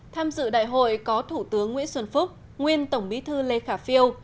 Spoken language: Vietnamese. tham dự đại hội có thủ tướng nguyễn xuân phúc nguyên tổng bí thư lê khả phiêu